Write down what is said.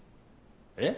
えっ？